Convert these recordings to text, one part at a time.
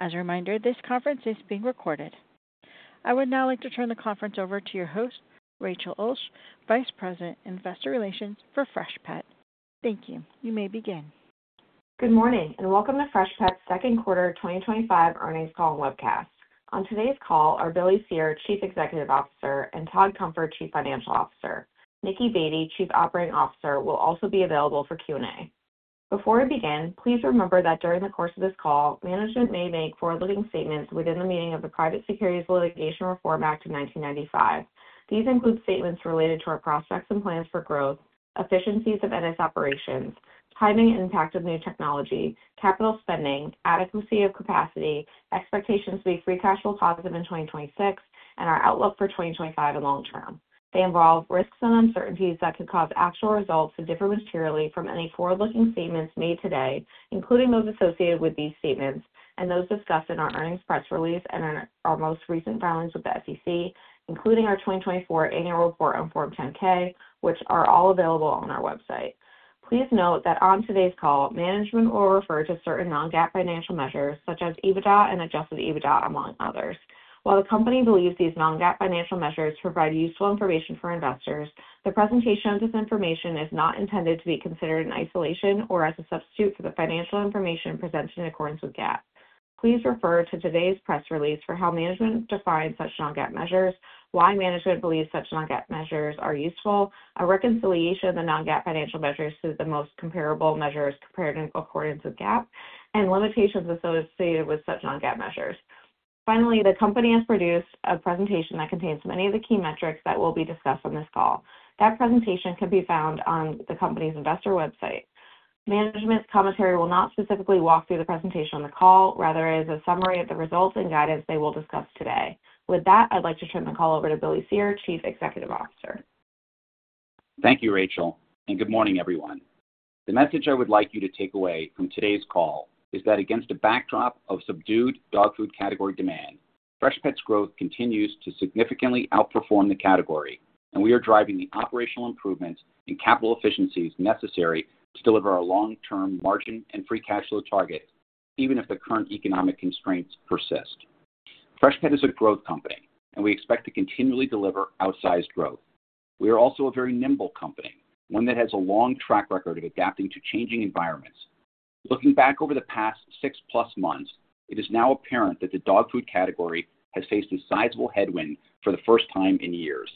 As a reminder, this conference is being recorded. I would now like to turn the conference over to your host, Rachel Ulsh, Vice President, Investor Relations for Freshpet. Thank you. You may begin. Good morning and welcome to Freshpet's Second Quarter 2025 Earnings Call Webcast. On today's call are Billy Cyr, Chief Executive Officer, and Todd Cunfer, Chief Financial Officer. Nicki Baty, Chief Operating Officer, will also be available for Q and A. Before we begin, please remember that during the course of this call, management may make forward-looking statements within the meaning of the Private Securities Litigation Reform Act of 1995. These include statements related to our prospects and plans for growth, efficiencies of Ennis operations, timing and impact of new technology, capital spending, adequacy of capacity, expectations to be free cash flow positive in 2026, and our outlook for 2025 and long term. They involve risks and uncertainties that could cause actual results to differ materially from any forward-looking statements made today, associated with these statements and those discussed in our earnings press release and our most recent filings with the SEC, including our 2024 Annual Report on Form 10-K, which are all available on our website. Please note that on today's call, management will refer to certain non-GAAP financial measures such as EBITDA and adjusted EBITDA, among others. While the company believes these non-GAAP financial measures provide useful information for investors, the presentation of this information is not intended to be considered in isolation or as a substitute for the financial information presented in accordance with GAAP. Please refer to today's press release for how management defines such non-GAAP measures, why management believes such non-GAAP measures are useful, a reconciliation of the non-GAAP financial measures to the most comparable measures prepared in accordance with GAAP, and limitations associated with such non-GAAP measures. Finally, the company has produced a presentation that contains many of the key metrics that will be discussed on this call. That presentation can be found on the company's investor website. Management commentary will not specifically walk through the presentation on the call. Rather, it is a summary of the results and guidance they will discuss today. With that, I'd like to turn the call over to Billy Cyr, Chief Executive Officer. Thank you, Rachel, and good morning, everyone. The message I would like you to take away from today's call is that against a backdrop of subdued dog food category demand, Freshpet's growth continues to significantly outperform the category, and we are driving the operational improvements and capital efficiencies necessary to deliver our long-term margin and free cash flow target even if the current economic constraints persist. Freshpet is a growth company, and we expect to continually deliver outsized growth. We are also a very nimble company, one that has a long track record of adapting to changing environments. Looking back over the past six plus months, it is now apparent that the dog food category has faced a sizable headwind. For the first time in years,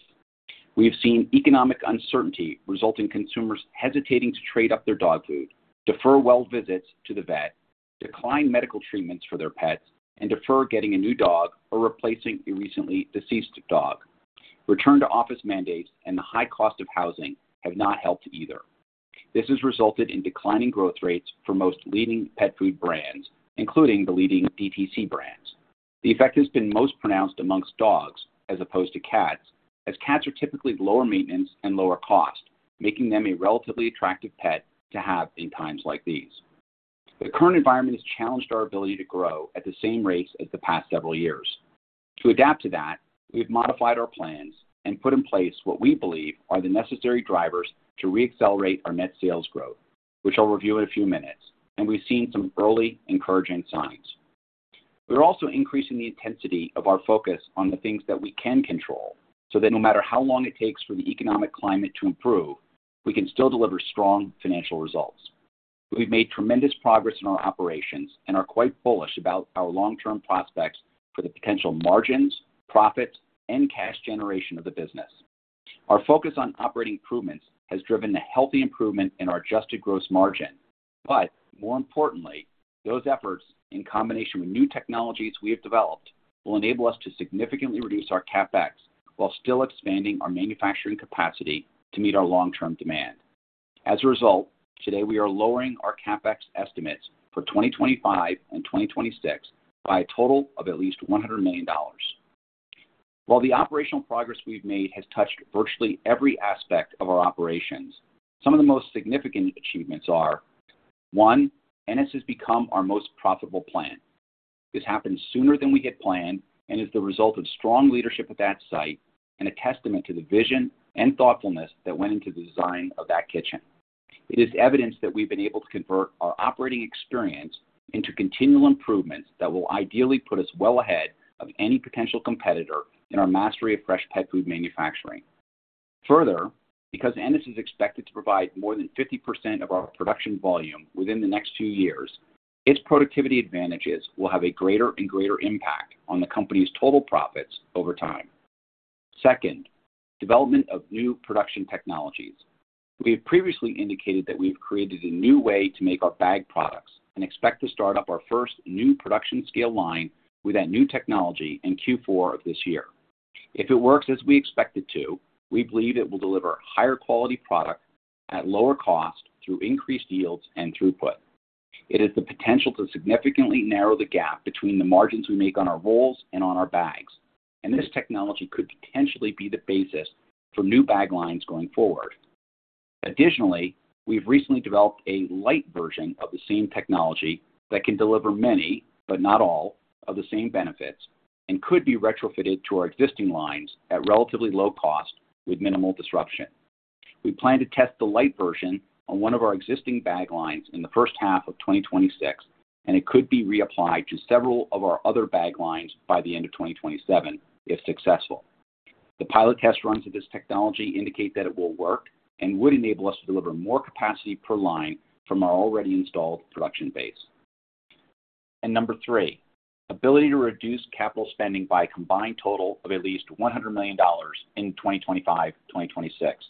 we have seen economic uncertainty result in consumers hesitating to trade up their dog food, defer well visits to the vet, decline medical treatments for their pets, and defer getting a new dog or replacing a recently deceased dog. Return-to-office mandates and the high cost of housing have not helped either. This has resulted in declining growth rates for most leading pet food brands, including the leading DTC brands. The effect has been most pronounced amongst dogs as opposed to cats, as cats are typically lower maintenance and lower cost, making them a relatively attractive pet to have in times like these. The current environment has challenged our ability to grow at the same rates as the past several years. To adapt to that, we've modified our plans and put in place what we believe are the necessary drivers to reaccelerate our net sales growth, which I'll review in a few minutes, and we've seen some early encouraging signs. We're also increasing the intensity of our focus on the things that we can control so that no matter how long it takes for the economic climate to improve, we can still deliver strong financial results. We've made tremendous progress in our operations and are quite bullish about our long-term prospects for the potential margins, profit, and cash generation of the business. Our focus on operating improvements has driven a healthy improvement in our adjusted gross margin. More importantly, those efforts in combination with new technologies we have developed will enable us to significantly reduce our CapEx while still expanding our manufacturing capacity to meet our long-term demand. As a result, today we are lowering our CapEx estimates for 2025 and 2026 by a total of at least $100 million. While the operational progress we've made has touched virtually every aspect of our operations, some of the most significant achievements are Ennis has become our most profitable plant. This happened sooner than we had planned and is the result of strong leadership at that site and a testament to the vision and thoughtfulness that went into the design of that kitchen. It is evidence that we've been able to convert our operating experience into continual improvements that will ideally put us well ahead of any potential competitor in our mastery of Freshpet food manufacturing. Further, because Ennis is expected to provide more than 50% of our production volume within the next few years, its productivity advantages will have a greater and greater impact on the company's total profits over time. Second, development of new production technologies. We have previously indicated that we've created a new way to make our bag products and expect to start up our first new production scale line with that new technology in Q4 of this year. If it works as we expect it to, we believe it will deliver higher quality product at lower cost through increased yields and throughput. It has the potential to significantly narrow the gap between the margins we make on our rolls and on our bags, and this technology could potentially be the basis for new bag lines going forward. Additionally, we've recently developed a light version of the same technology that can deliver many but not all of the same benefits and could be retrofitted to our existing lines at relatively low cost with minimal disruption. We plan to test the light version on one of our existing bag lines in the first half of 2026 and it could be reapplied to several of our other bag lines by the end of 2027. If successful, the pilot test runs of this technology indicate that it will work and would enable us to deliver more capacity per line from our already installed production base. Number three, ability to reduce capital spending by a combined total of at least $100 million in 2025 and 2026.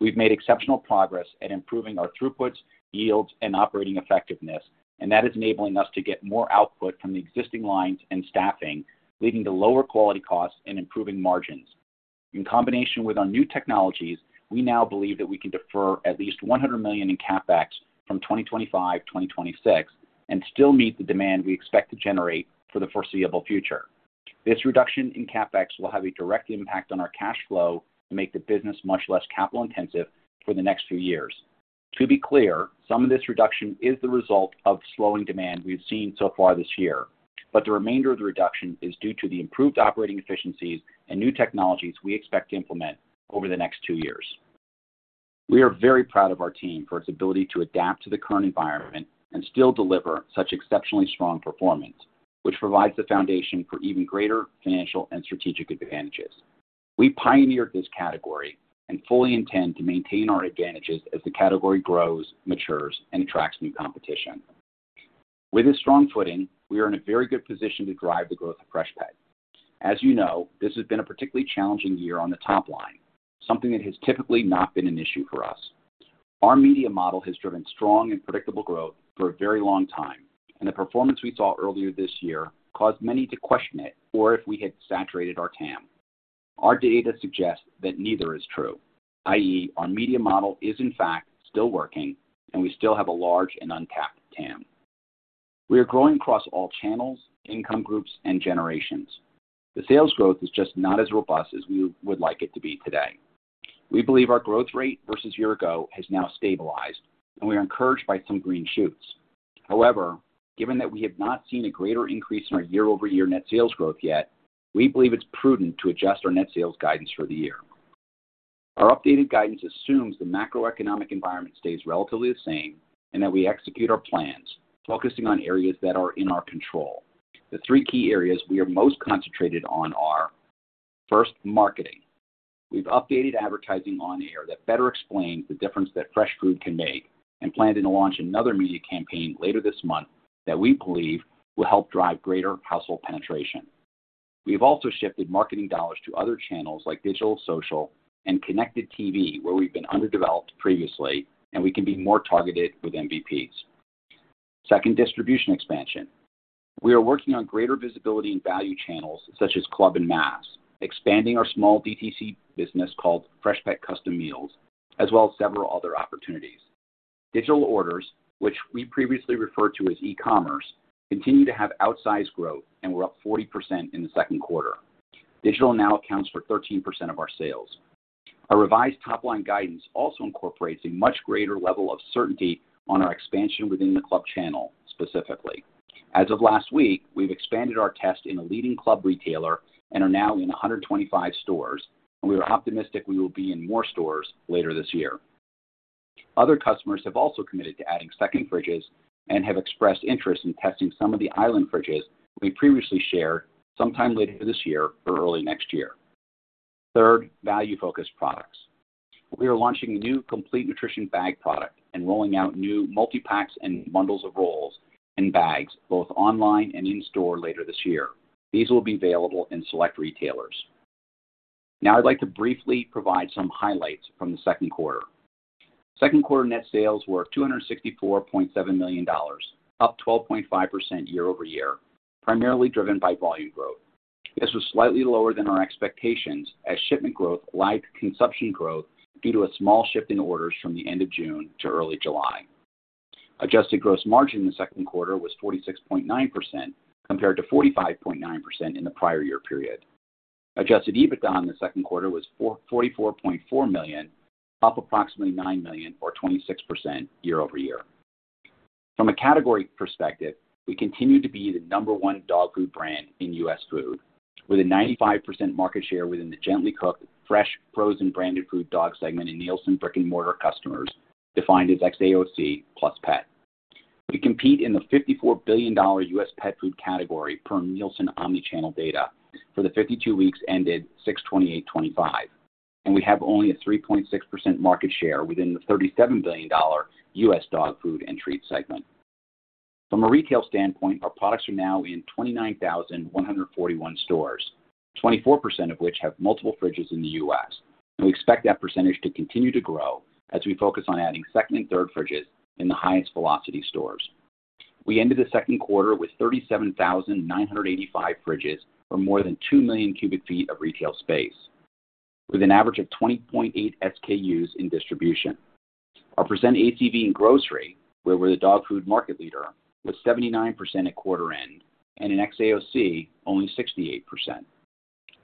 We've made exceptional progress at improving our throughputs, yields, and operating effectiveness and that is enabling us to get more output from the existing lines and staffing, leading to lower quality costs and improving margins in combination with our new technologies. We now believe that we can defer at least $100 million in CapEx from 2025 to 2026 and still meet the demand we expect to generate for the foreseeable future. This reduction in capital expenditure will have a. Direct impact on our cash flow and make the business much less capital intensive for the next few years. To be clear, some of this reduction is the result of slowing demand we've seen so far this year, but the remainder of the reduction is due to the improved operating efficiencies and new technologies we expect to implement over the next two years. We are very proud of our team for its ability to adapt to the current environment and still deliver such exceptionally strong performance, which provides the foundation for even greater financial and strategic advantages. We pioneered this category and fully intend to maintain our advantages as the category grows, matures, and attracts new competition. With this strong footing, we are in a very good position to drive the growth of Freshpet. As you know, this has been a particularly challenging year on the top line, something that has typically not been an issue for us. Our media model has driven strong and predictable growth for a very long time, and the performance we saw earlier this year caused many to question it or if we had saturated our TAM. Our data suggest that neither is true. That is, our media model is in fact still working and we still have a large and untapped TAM. We are growing across all channels, income groups, and generations. The sales growth is just not as robust as we would like it to be today. We believe our growth rate versus year ago has now stabilized and we are encouraged by some green shoots. However, given that we have not seen a greater increase in our year-over-year net sales growth yet, we believe it's prudent to adjust our net sales guidance for the year. Our updated guidance assumes the macroeconomic environment stays relatively the same and that we execute our plans focusing on areas that are in our control. The three key areas we are most concentrated on are first, marketing. We've updated advertising on air that better explain the difference that Fresh Food can make and plan to launch another media campaign later this month that we believe will help drive greater household penetration. We have also shifted marketing dollars to other channels like digital, social, and connected TV where we've been underdeveloped previously and we can be more targeted with MVPs. Second, distribution expansion. We are working on greater visibility and value channels such as club and mass, expanding our small DTC business called Freshpet Custom Meals, as well as several other opportunities. Digital orders, which we previously referred to as e-commerce, continue to have outsized growth and were up 40% in the second quarter. Digital now accounts for 13% of our sales. Our revised top line guidance also incorporates a much greater level of certainty on our expansion within the club channel. Specifically, as of last week we've expanded our test in a leading club retailer and are now in 125 stores, and we are optimistic we will be in more stores later this year. Other customers have also committed to adding stacking fridges and have expressed interest in testing some of the island fridges we previously shared sometime later this year or early next year. Third, value-focused products, we are launching a new Complete Nutrition Bag product and rolling out new multipacks and bundles of rolls and bags both online and in store later this year. These will be available in select retailers. Now I'd like to briefly provide some highlights from the second quarter. Second quarter net sales were $264.7 million, up 12.5% year over year, primarily driven by volume growth. This was slightly lower than our expectations as shipment growth lagged consumption growth due to a small shift in orders from the end of June to early July. Adjusted gross margin in the second quarter was 46.9% compared to 45.9% in the prior year period. Adjusted EBITDA in the second quarter was $44.4 million, up approximately $9 million or 26% year-over- year. From a category perspective, we continue to be the number one dog food brand in U.S. food with a 95% market share within the gently cooked fresh frozen branded food dog segment in Nielsen brick and mortar customers defined as XAOC + pet to compete in the $54 billion U.S. pet food category per Nielsen omnichannel data for the 52 weeks ended 6/28/25 when we have only a 3.6% market share within the $37 billion U.S. dog food and treat segment. From a retail standpoint, our products are now in 29,141 stores, 24% of which have multiple fridges in the U.S., and we expect that percentage to continue to grow as we focus on adding second and third fridges in the highest velocity stores. We ended the second quarter with 37,985 fridges, or more than 2 million cubic feet of retail space, with an average of 20.8 SKUs in distribution. Our present ATV in grocery, where we're the dog food market leader, was 79% at quarter end and in XAOC only 68%.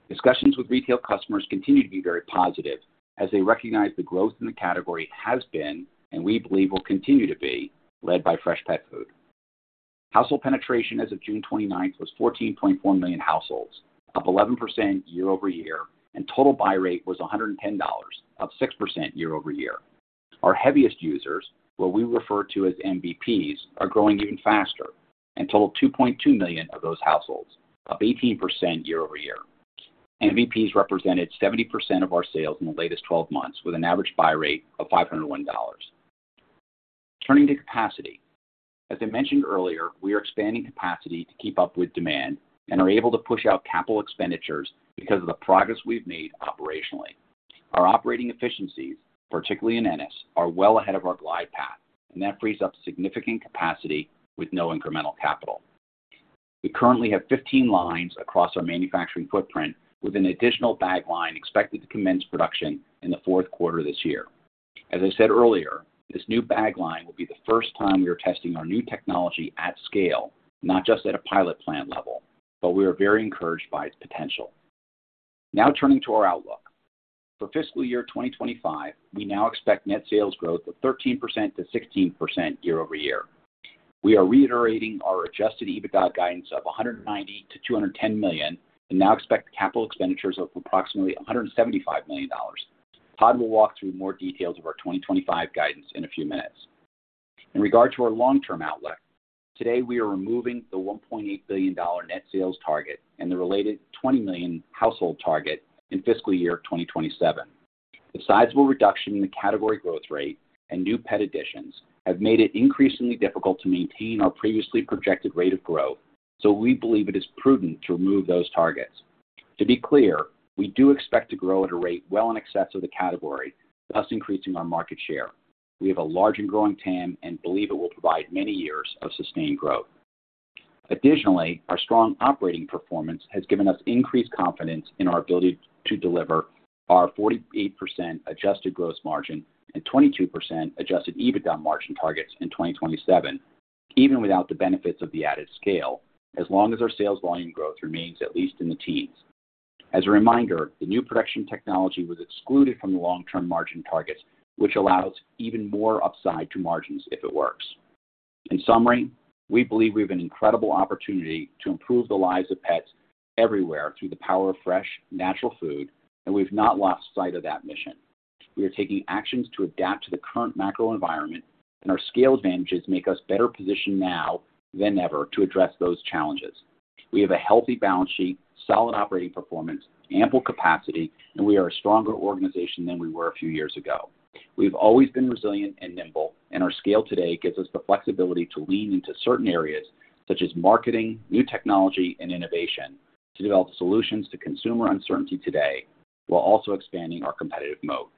Discussions with retail customers continue to be very positive as they recognize the growth in the category has been, and we believe will continue to be, led by fresh pet food. Household penetration as of June 29 was 14.4 million households, up 11% year-over- year, and total buy rate was $110, up 6% year-over- year. Our heaviest users, what we refer to as MVPs, are growing even faster and total 2.2 million of those households, up 18% year-over-year. MVPs represented 70% of our sales in the latest 12 months with an average buy rate of $501. Turning to capacity, as I mentioned earlier, we are expanding capacity to keep up with demand and are able to push out capital expenditures because of the progress we've made operationally. Our operating efficiency, particularly in Ennis, is well ahead of our glide path, and that frees up significant capacity with no incremental capital. We currently have 15 lines across our manufacturing footprint with an additional bag line expected to commence production in the fourth quarter this year. As I said earlier, this new bag line will be the first time we are testing our new technology at scale, not just at a pilot plant level, but we are very encouraged by its potential. Now turning to our outlook for fiscal year 2025, we now expect net sales growth of 13%-16% year-over-year. We are reiterating our adjusted EBITDA guidance of $190 million-$210 million and now expect capital expenditures of approximately $175 million. Todd will walk through more details of our 2025 guidance in a few minutes. In regard to our long-term outlook today, we are removing the $1.8 billion net sales target and the related $20 million household target in fiscal year 2027. The sizable reduction in the category growth rate and new pet additions have made it increasingly difficult to maintain our previously projected rate of growth, so we believe it is prudent to remove those targets. To be clear, we do expect to grow at a rate well in excess of the category, thus increasing our market share. We have a large and growing TAM and believe it will provide many years of sustained growth. Additionally, our strong operating performance has given us increased confidence in our ability to deliver our 48% adjusted gross margin and 22% adjusted EBITDA margin targets in 2027, even without the benefits of the added scale, as long as our sales volume growth remains at least in the teens. As a reminder, the new production technology was excluded from the long-term margin targets, which allows even more upside to margins if it works. In summary, we believe we have an incredible opportunity to improve the lives of pets everywhere through the power of fresh natural food. We have not lost sight of that mission. We are taking actions to adapt to the current macroeconomic environment, and our scale advantages make us better positioned now than ever to address those challenges. We have a healthy balance sheet, solid operating performance, ample capacity, and we are a stronger organization than we were a few years ago. We have always been resilient and nimble, and our scale today gives us the flexibility to lean into certain areas such as marketing, new technology, and innovation to develop solutions to consumer uncertainty today, while also expanding our competitive moat.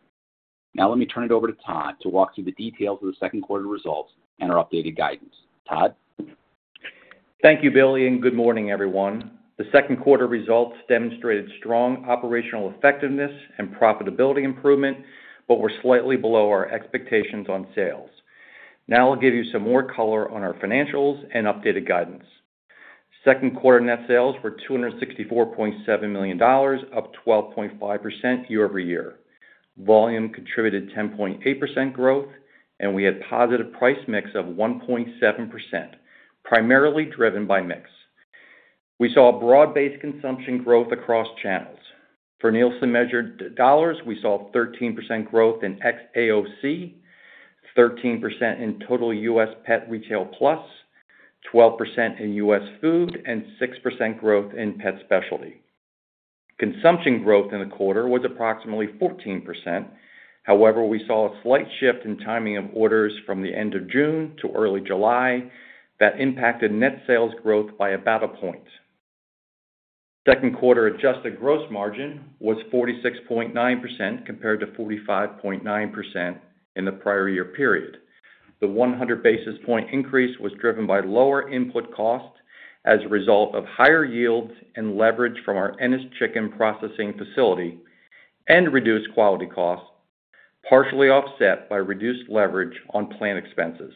Now let me turn it over to Todd to walk through the details of the second quarter results and our updated guidance. Todd? Thank you, Billy, and good morning everyone. The second quarter results demonstrated strong operational effectiveness and profitability improvement, but were slightly below our expectations on sales. Now I'll give you some more color on our financials and updated guidance. Second quarter net sales were $264.7 million, up 12.5% year-over- year. Volume contributed 10.8% growth and we had positive price mix of 1.7%. Primarily driven by mix, we saw broad-based consumption growth across channels. For Nielsen measured dollars, we saw 13% growth in XAOC, 13% in total U.S. pet retail, plus 12% in U.S. food, and 6% growth in pet specialty. Consumption growth in the quarter was approximately 14%. However, we saw a slight shift in timing of orders from the end of June to early July that impacted net sales growth by about a point. Second quarter adjusted gross margin was 46.9% compared to 45.9% in the prior year period. The 100 basis point increase was driven by lower input costs as a result of higher yields and leverage from our Ennis chicken processing facility and reduced quality costs, partially offset by reduced leverage on plant expenses.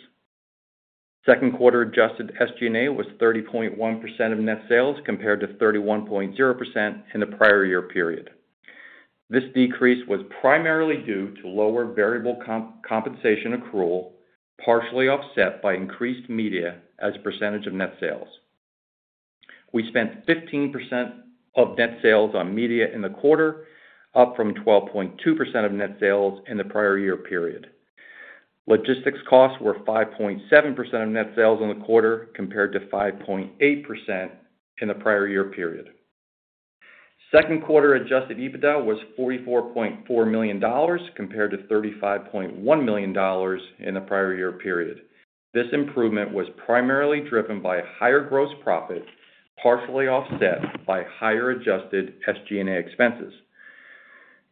Second quarter adjusted SGA was 30.1% of net sales compared to 31.0% in the prior year period. This decrease was primarily due to lower variable compensation accrual, partially offset by increased media as a percentage of net sales. We spent 15% of net sales on media in the quarter, up from 12.2% of net sales in the prior year period. Logistics costs were 5.7% of net sales in the quarter compared to 5.8% in the prior year period. Second quarter adjusted EBITDA was $44.4 million compared to $35.1 million in the prior year period. This improvement was primarily driven by higher gross profit, partially offset by higher adjusted SGA expenses.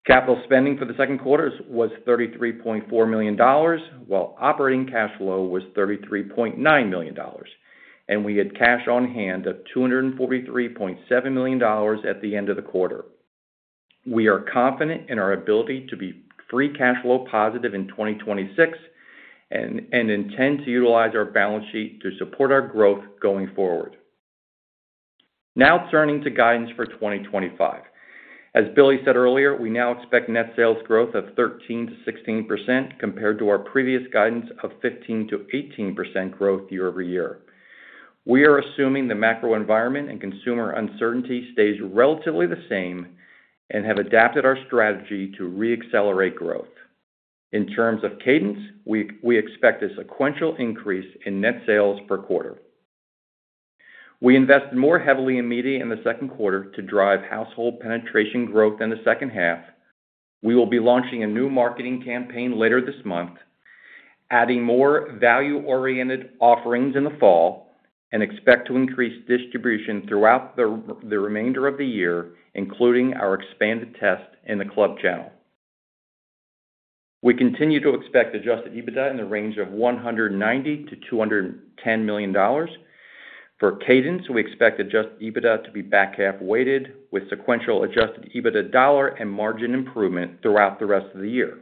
Capital spending for the second quarter was $33.4 million while operating cash flow was $33.9 million and we had cash on hand of $243.7 million at the end of the quarter. We are confident in our ability to be fully free cash flow positive in 2026 and intend to utilize our balance sheet to support our growth going forward. Now turning to guidance for 2025, as Billy said earlier, we now expect net sales growth of 13%-16% compared to our previous guidance of 15%-18% growth year-over-year. We are assuming the macroeconomic environment and consumer uncertainty stays relatively the same and have adapted our strategy to reaccelerate growth. In terms of cadence. We expect a sequential increase in net sales per quarter. We invested more heavily in media in the second quarter to drive household penetration growth in the second half. We will be launching a new marketing campaign later this month, adding more value-oriented offerings in the fall, and expect to increase distribution throughout the remainder of the year. Including our expanded test in the club channel, we continue to expect adjusted EBITDA in the range of $190 million-$210 million. For cadence. We expect adjusted EBITDA to be back. Half weighted with sequential adjusted EBITDA dollar and margin improvement throughout the rest of the year.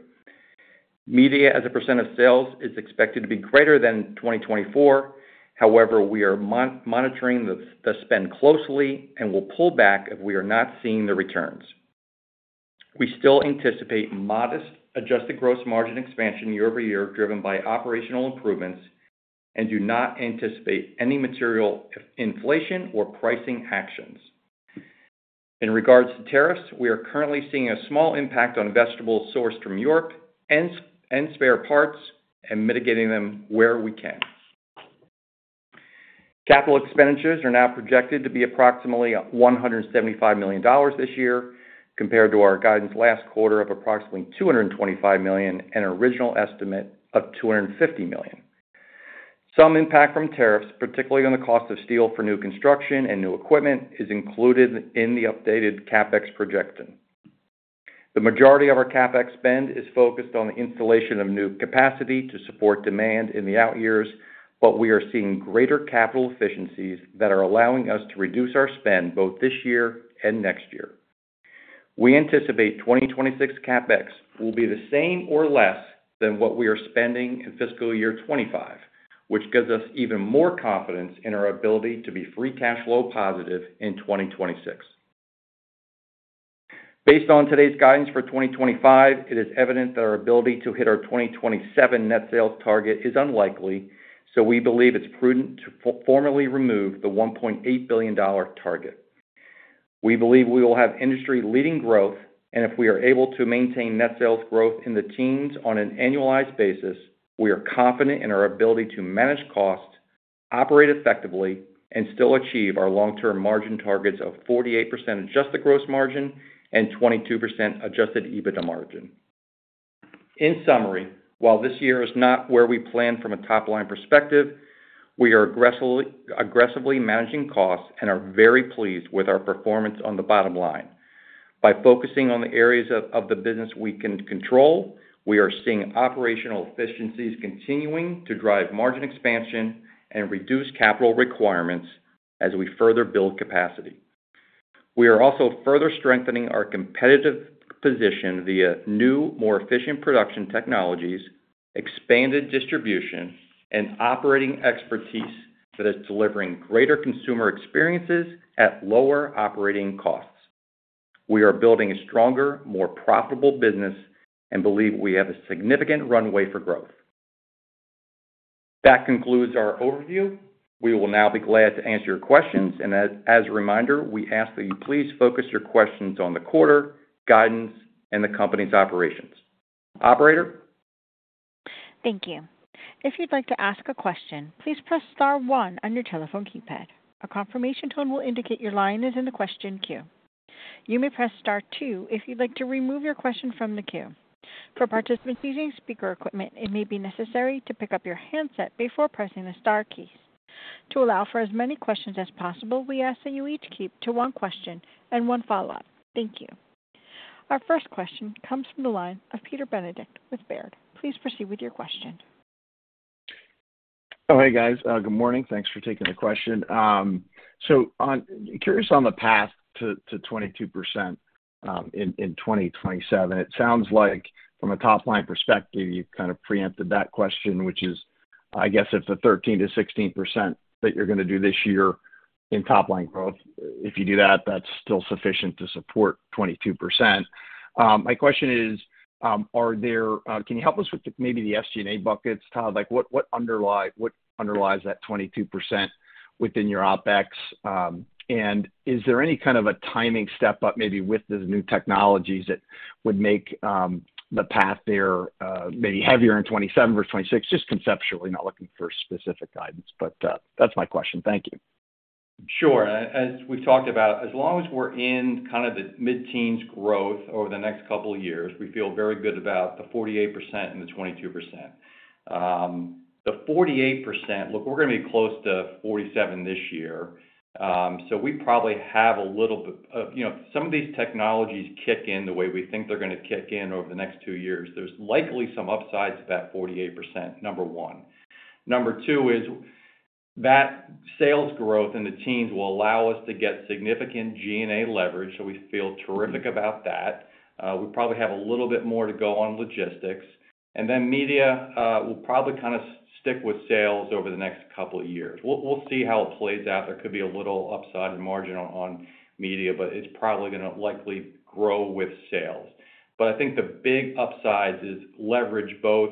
Media as a percentage of sales is expected to be greater than 2024. However, we are monitoring the spend closely and will pull back if we are not seeing the returns. We still anticipate modest adjusted gross margin expansion year over year driven by operational improvements and do not anticipate any material inflation or pricing actions. In regards to tariffs, we are currently seeing a small impact on vegetables sourced from Europe and spare parts and mitigating them where we can. Capital expenditures are now projected to be approximately $175 million this year compared to our guidance last quarter of approximately $225 million and original estimate of $250 million. Some impact from tariffs, particularly on the cost of steel for new construction and new equipment, is included in the updated CapEx projection. The majority of our CapEx spend is focused on the installation of new capacity to support demand in the out years, but we are seeing greater capital efficiencies that are allowing us to reduce our spend both this year and next year. We anticipate 2026 CapEx will be the same or less than what we are spending in fiscal year 2025, which gives us even more confidence in our ability to be free cash flow positive in 2026. Based on today's guidance for 2025, it is evident that our ability to hit our 2027 net sales target is unlikely, so we believe it's prudent to formally remove the $1.8 billion target. We believe we will have industry leading growth and if we are able to maintain net sales growth in the teens on an annualized basis, we are confident in our ability to manage cost, operate effectively and still achieve our long term margin targets of 48% adjusted gross margin and 22% adjusted EBITDA margin. In summary, while this year is not where we plan from a top line perspective, we are aggressively managing costs and are very pleased with our performance on the bottom line. By focusing on the areas of the business we can control, we are seeing operational efficiencies continuing to drive margin expansion and reduce capital requirements as we further build capacity. We are also further strengthening our competitive position via new, more efficient production technologies, expanded distribution and operating expertise that is delivering greater consumer experiences at lower operating costs. We are building a stronger, more profitable business and believe we have a significant runway for growth. That concludes our overview. We will now be glad to answer your questions and as a reminder, we ask that you please focus your questions on the quarter guidance and the company's operations operator. Thank you. If you'd like to ask a question, please press star one on your telephone keypad. A confirmation tone will indicate your line is in the question queue. You may press star two if you'd like to remove your question from the queue. For participants using speaker equipment, it may be necessary to pick up your handset before pressing the star keys. To allow for as many questions as possible, we ask that you each keep to one question and one follow up. Thank you. Our first question comes from the line of Peter Benedict with Baird. Please proceed with your question. Hey guys, good morning. Thanks for taking the question. Curious, on the path to 22% in 2027, it sounds like from a top line perspective you've kind of preempted that question, which is, I guess it's a 13%-16% that you're going to do this year in top line growth. If you do that, that's still sufficient to support 22%. My question is, can you help us with maybe the SG&A buckets, Todd, like what underlies that 22% within your OpEx? Is there any kind of a timing step up maybe with the new technologies that would make the path there maybe heavier in 2027 versus 2026? Just conceptually, not looking for specific guidance, but that's my question. Thank you. Sure. As we've talked about, as long as we're in kind of the mid teens growth over the next couple years, we feel very good about the 48% and the 22%. The 48%. Look, we're going to be close to 47% this year. We probably have a little bit of, you know, some of these technologies kick in the way we think they're going to kick in over the next two years. There's likely some upsides to that 48%, number one. Number two is that sales growth in the teens will allow us to get significant G&A leverage. We feel terrific about that. We probably have a little bit more to go on logistics and then media will probably kind of stick with sales over the next couple of years. We'll see how it plays out. There could be a little upside in margin on media, but it's probably going to likely grow with sales. I think the big upsides is leverage both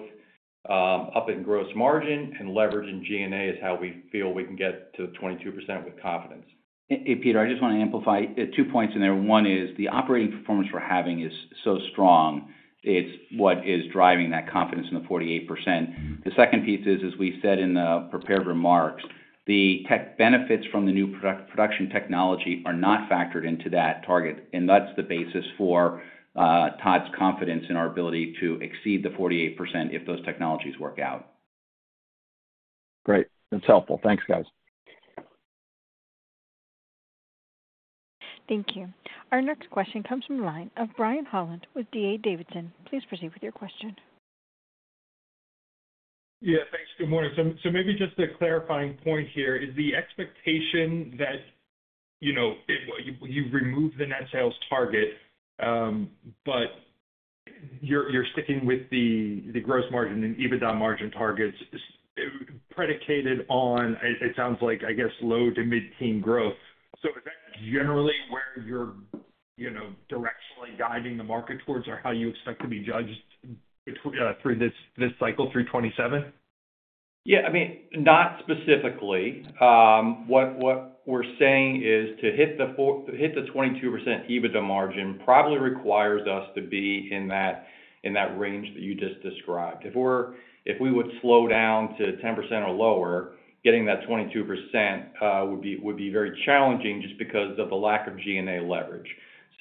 up in gross margin and leverage in G&A is how we feel we can get to 22% with confidence. Hey Peter, I just want to amplify two points in there. One is the operating performance we're having. Is so strong. It's what is driving. That confidence in the 48%. The second piece is, as we said in the prepared remarks, the tech benefits from the new production technology are not factored into that target. That's the basis for Todd's confidence in our ability to exceed the 48% if those technologies work out. Great. That's helpful. Thanks, guys. Thank you. Our next question comes from the line of Brian Holland with D.A. Davidson. Please proceed with your question. Yeah, thanks. Good morning. Maybe just a clarifying point here: is the expectation that, you know, you've removed the net sales target but you're sticking with the gross margin and adjusted EBITDA margin targets predicated on, it sounds like, I guess, low to mid teen growth? Is that generally where you're, you know, directionally guiding the market towards or how you expect to be judged through this cycle through 2027? Yeah, I mean, not specifically. What we're saying is to hit the 22% EBITDA margin probably requires us to be in that range that you just described. If we would slow down to 10% or lower, getting that 22% would be very challenging just because of the lack of G&A leverage.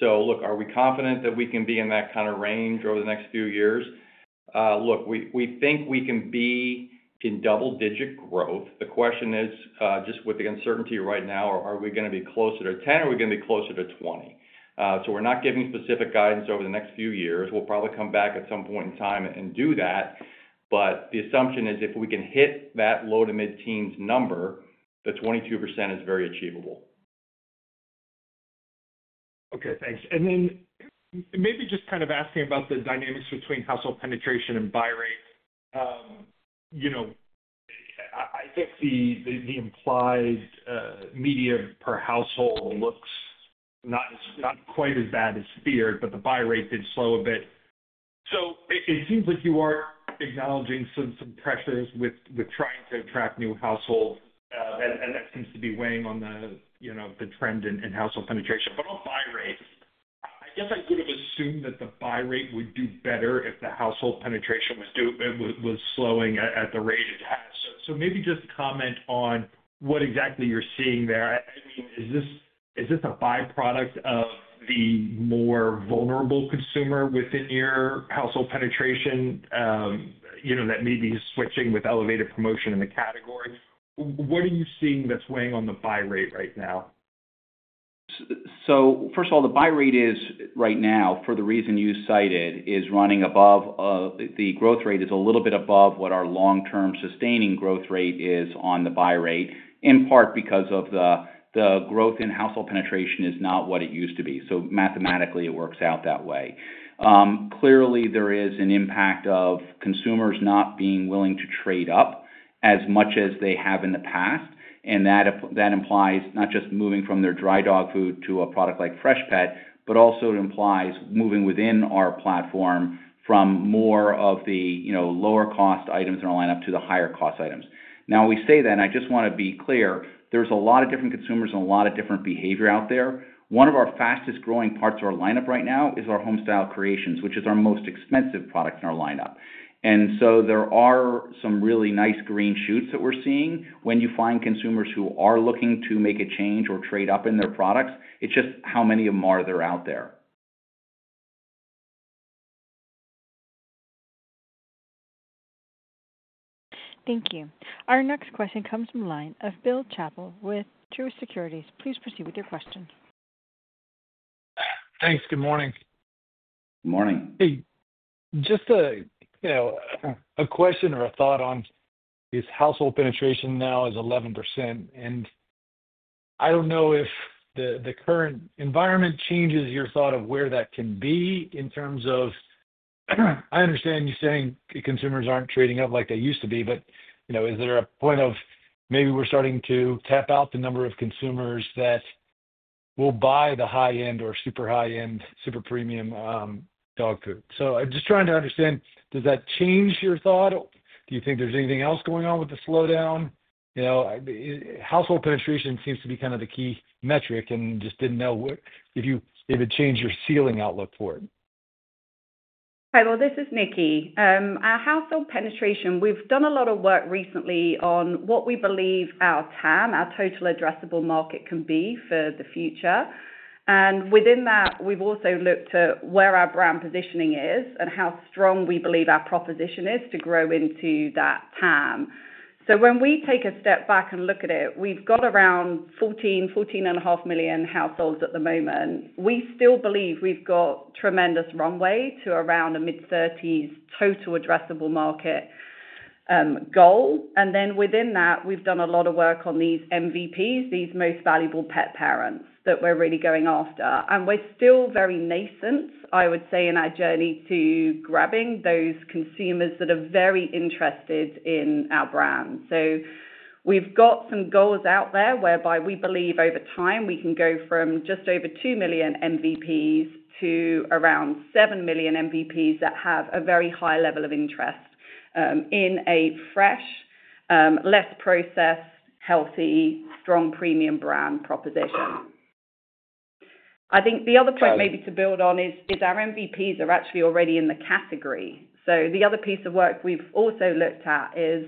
Look, are we confident that we can be in that kind of range over the next few years? We think we can be in double digit growth. The question is just with the uncertainty right now, are we going to be closer to 10%? Are we going to be closer to 20%? We're not giving specific guidance over the next few years. We'll probably come back at some point in time and do that. The assumption is if we can hit that low to mid teens number, the 22% is very achievable. Okay, thanks. Maybe just kind of asking about the dynamics between household penetration and buy rate. I think the implied media per household looks not quite as bad as feared, but the buy rate did slow a bit. It seems like you are acknowledging some pressures with trying to attract new households, and that seems to be weighing on the trend in household penetration. On buy rates, I guess I could assume that the buy rate would do better if the household penetration was slowing at the rate it has. Maybe just comment on what exactly you're seeing there. Is this a byproduct of the more vulnerable consumer within your household penetration, that maybe switching with elevated promotion in the category, or what are you seeing that's weighing on the buy rate right now? First of all, the buy rate. Is right now, for the reason you cited, is running above the growth rate. Is a little bit above what our. Long term sustaining growth rate is on. The buy rate, in part because of the growth in household penetration, is not what it used to be. Mathematically it works out that way. Clearly there is an impact of consumers not being willing to trade up as much as they have in the past. That implies not just moving from their dry dog food to a product like Freshpet, but also it implies moving within our platform from more of the lower cost items in our lineup to the higher cost items. Now we say that and I just. Want to be clear. are a lot of different consumers and a lot of different behavior out there. One of our fastest growing parts of our lineup right now is our Homestyle Creations, which is our most expensive product in our lineup. There are some really nice green shoots that we're seeing. When you find consumers who are looking to make a change or trade up in their products, it's just how many of them are there out there? Thank you. Our next question comes from the line of Bill Chappell with Truist Securities. Please proceed with your question. Thanks. Good morning. Morning. Hey, just a question or a thought on is household penetration now 11%? I don't know if the current environment changes your thought of where that can be in terms of, I understand you're saying consumers aren't trading up. Like they used to be, but you. Is there a point of maybe. We're starting to tap out the number. Of consumers that will buy the high. End or super high end super premium dog food. I'm just trying to understand, does. That change your thought? Do you think there's anything else going on with the slowdown? Household penetration seems to be. Kind of the key metric and just didn't know if you, if it changed your ceiling outlook for it. Hi, this is Nicki. Our household penetration. We've done a lot of work recently on what we believe our TAM, our total addressable market, can be for the future. Within that, we've also looked at where our brand positioning is and how strong we believe our proposition is to grow into that TAM. When we take a step back and look at it, we've got around 14 million, 14.5 million households at the moment. We still believe we've got tremendous runway to around a mid-30s total addressable market goal. Within that, we've done a lot of work on these MVPs, these Most Valuable Pet Parents that we're really going after. We're still very nascent, I would say, in our journey to grabbing those consumers that are very interested in our brand. We've got some goals out there whereby we believe over time we can go from just over 2 million MVPs to around 7 million MVPs that have a very high level of interest in a fresh, less processed, healthy, strong premium brand proposition. I think the other point maybe to build on is our MVPs are actually already in the category. The other piece of work we've also looked at is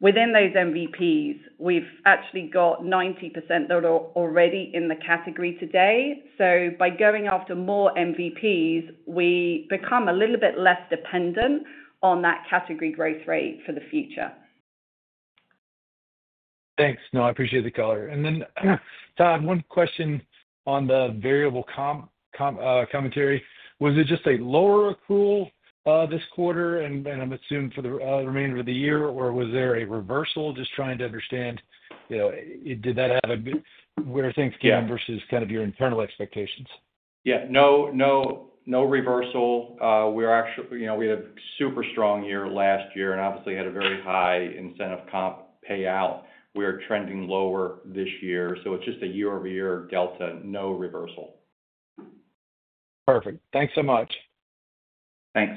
within those MVPs, we've actually got 90% that are already in the category today. By going after more MVPs, we become a little bit less dependent on that category growth rate for the future. Thanks. No, I appreciate the color. Todd, one question on the variable commentary. Was it just a lower accrual this quarter and I'm assuming for the remainder. Of the year, or was there a reversal? Just trying to understand, you know, did. That is where things came versus. Kind of your internal expectations? No reversal. We're actually, you know, we had a super strong year last year and obviously had a very high incentive comp payout. We are trending lower this year. It's just a year over year delta, no reversal. Perfect. Thanks so much. Thanks.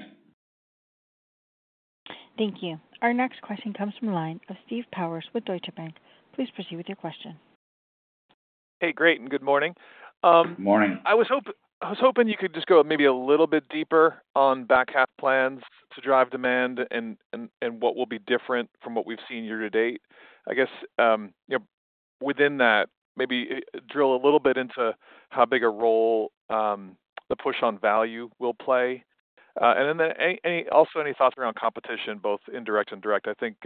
Thank you. Our next question comes from the line of Steve Powers with Deutsche Bank. Please proceed with your question. Hey, great, and good morning. Morning. I was hoping you could just go maybe a little bit deeper on back half plans to drive demand and what will be different from what we've seen year to date. I guess within that maybe drill a little bit into how big a role the push on value will play. Also, any thoughts around competition, both indirect and direct? I think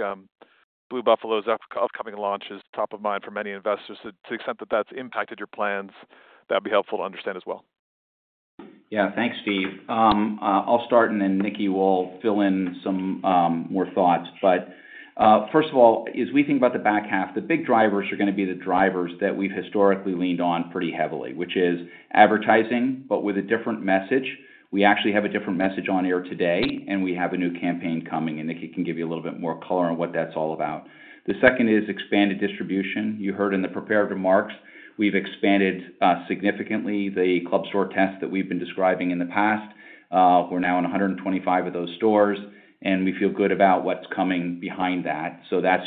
Blue Buffalo's upcoming launch is top of mind for many investors. To the extent that that's impacted your plans, that'd be helpful to understand as well. Yeah, thanks, Steve. I'll start and then Nicki will fill in some more thoughts. First of all, as we think about the back half, the big drivers are going to be the drivers that we've historically leaned on pretty heavily, which is advertising, but with a different message. We actually have a different message on air today and we have a new campaign coming and Nicki can give you a little bit more color on what that's all about. The second is expanded distribution. You heard in the prepared remarks we've expanded significantly the club store test that we've been describing in the past. We're now in 125 of those stores and we feel good about what's coming behind that. That's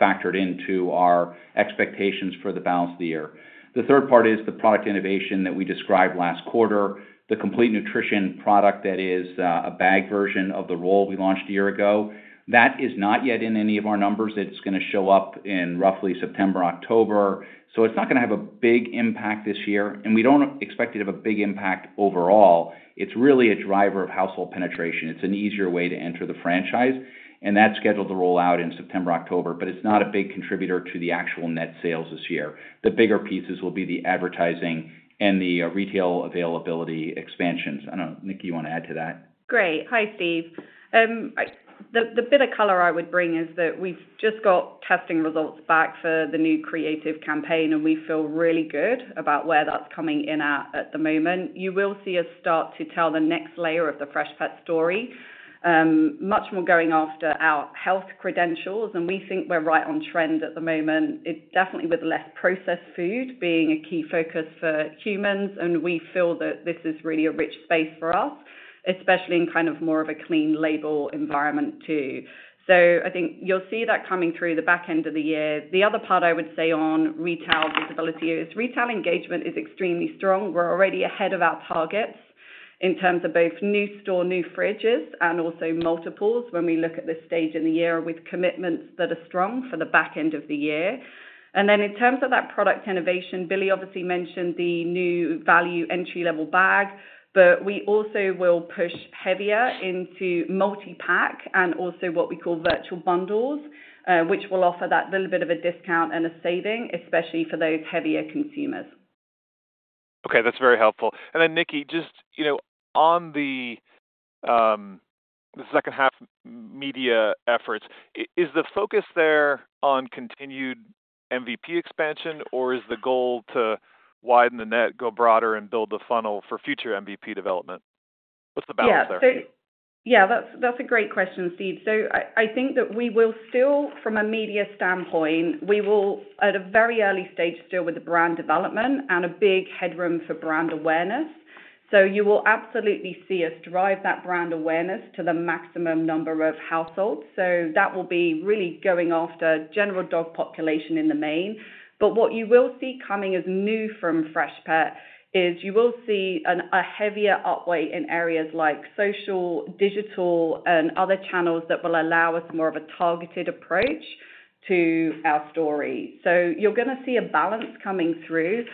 factored into our expectations for the balance of the year. The third part is the product innovation that we described last quarter, the Complete Nutrition Bags. That is a bag version of the roll we launched a year ago that is not yet in any of our numbers. It's going to show up in roughly September, October. It's not going to have a big impact this year and we don't expect it to have a big impact overall. It's really a driver of household penetration. It's an easier way to enter the franchise and that's scheduled to roll out in September, October, but it's not a big contributor to the actual net sales this year. The bigger pieces will be the advertising and the retail availability expansions. I don't know. Nicki, you want to add to that? Great. Hi, Steve. The bit of color I would bring is that we've just got testing results back for the new creative campaign, and we feel really good about where that's coming in at, at the moment. You will see us start to tell the next layer of the Freshpet story, much more going after our health credentials, and we think we're right on trend at the moment, definitely with less processed food being a key focus for humans. We feel that this is really a rich space for us, especially in kind of more of a clean label environment too. I think you'll see that coming through the back end of the year. The other part I would say on retail visibility is retail engagement is extremely strong. We're already ahead of our targets in terms of both new store, new fridges, and also multiples. When we look at this stage in the year with commitments that are strong for the back end of the year, and then in terms of that product innovation, Billy obviously mentioned the new value entry level bag, but we also will push heavier into multipack and also what we call virtual bundles, which will offer that little bit of a discount and a saving, especially for those heavier consumers. Okay, that's very helpful. Nikki, just, you know, on the second half media efforts, is the focus there on continued MVP expansion or is the goal to widen the net, go broader and build the funnel for future MVP development? What's the balance there? Yeah, that's a great question, Steve. I think that we will still, from a media standpoint, be at a very early stage with the brand development and a big headroom for brand awareness. You will absolutely see us drive that brand awareness to the maximum number of households. That will be really going after the general dog population in the main. What you will see coming as new from Freshpet is a heavier upweight in areas like social, digital, and other channels that will allow us more of a targeted approach to our story. You're going to see a balance coming through.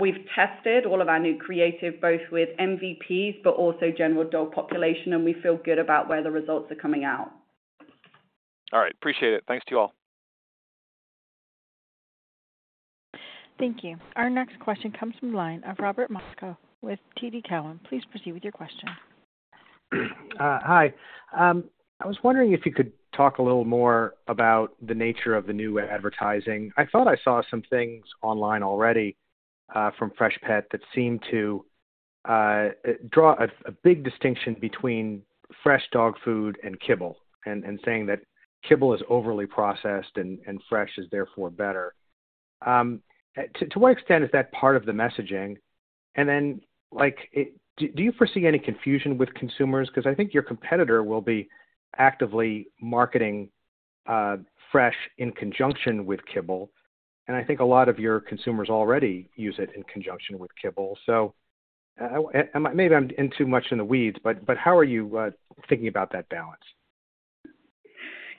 We've tested all of our new creative, both with MVP but also the general dog population, and we feel good about where the results are coming out. All right, appreciate it. Thanks to you all. Thank you. Our next question comes from the line of Robert Moskow with TD Cowen. Please proceed with your question. Hi. I was wondering if you could talk a little more about the nature of the new advertising. I thought I saw some things online already from Freshpet that seem to draw a big distinction between fresh dog food and kibble, and saying that kibble is overly processed and fresh is therefore better. To what extent is that part of the messaging? Do you foresee any confusion with consumers? I think your competitor will be actively marketing fresh in conjunction with kibble, and I think a lot of your consumers already use it in conjunction with kibble. How are you thinking about that balance?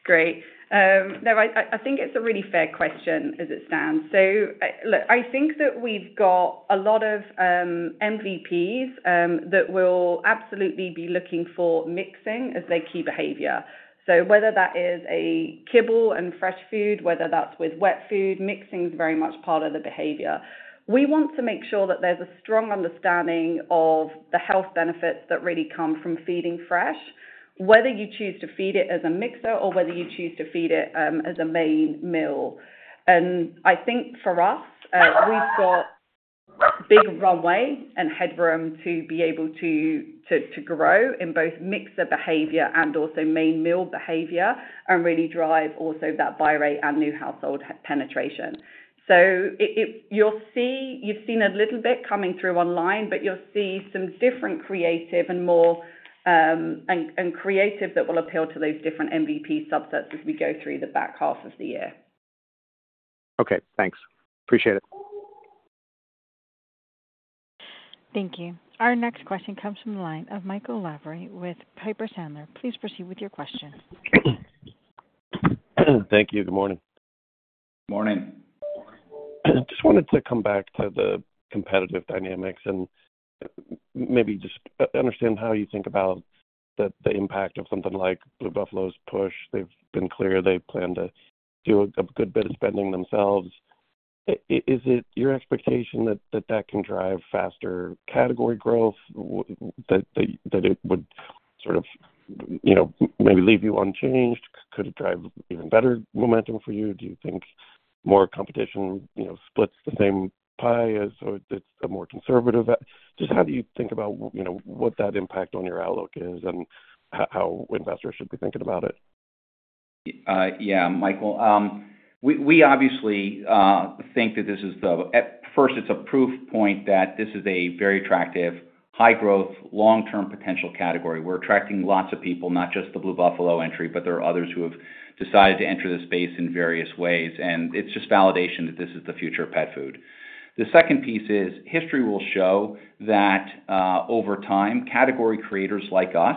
Great. I think it's a really fair question as it stands. I think that we've got a lot of MVPs that will absolutely be looking for mixing as their key behavior. Whether that is a kibble and fresh food, whether that's with wet food, mixing is very much part of the behavior. We want to make sure that there's a strong understanding of the health benefits that really come from feeding fresh, whether you choose to feed it as a mixer or whether you choose to feed it as a main meal. I think for us, we've got big runway and headroom to be able to grow in both mixer behavior and also main meal behavior and really drive also that buy rate and new household penetration. You've seen a little bit coming through online, but you'll see some different creative and more creative that will appeal to those different MVP subsets as we go through the back half of the year. Okay, thanks. Appreciate it. Thank you. Our next question comes from the line of Michael Lavery with Piper Sandler. Please proceed with your question. Thank you. Good morning. Morning. Just wanted to come back to the competitive dynamics and maybe just understand how you think about the impact of something like Blue Buffalo's push. They've been clear they plan to do a good bit of spending themselves. Is it your expectation that that can. Drive faster category growth? Could it drive even better momentum for you? Do you think more competition splits the same pie, or is it more conservative? How do you think about what that impact on your outlook is and how investors should be thinking about it? Yeah, Michael, we obviously think that this is a proof point that this is a very attractive, high growth. Long term potential category. We're attracting lots of people, not just the Blue Buffalo entry, but there are others who have decided to enter the space in various ways, and it's just validation that this is the future of pet food. The second piece is history will show that over time, category creators like us,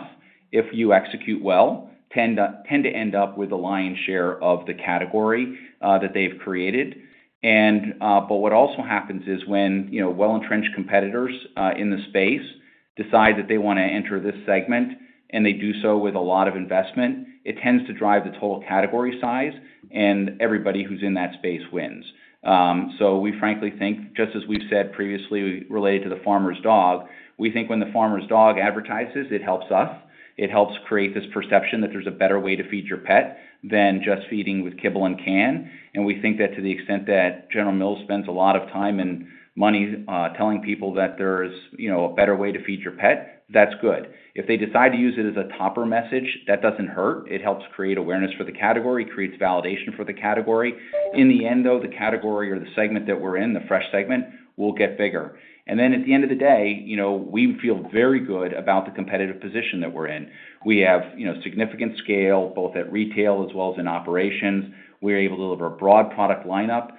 if you execute well, tend to end up with the lion's share of the category that they've created. What also happens is when well-entrenched competitors in the space decide that they want to enter this segment and they do so with a lot of investment, it tends to drive the total category size and everybody who's in that space wins. We frankly think, just as we've said previously, related to the farmer's dog, we think when the farmer's dog advertises, it helps us. It helps create this perception that there's a better way to feed your pet than just feeding with kibble and can. We think that to the extent that General Mills spends a lot of time and money telling people that there's, you know, a better way to feed your pet, that's good. If they decide to use it as a topper message, that doesn't hurt. It helps create awareness for the category, creates validation for the category. In the end, though, the category or the segment that we're in, the fresh segment, will get bigger. At the end of the day, we feel very good about the competitive position that we're in. We have significant scale both at retail as well as in operations. We're able to deliver a broad product lineup.